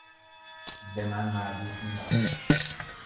به من مربوط نیست.